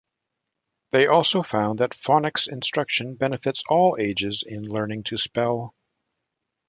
They also found that phonics instruction benefits all ages in learning to spell.